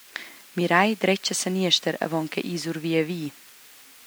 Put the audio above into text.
Mirei dretg e seniester avon che ir sur via vi.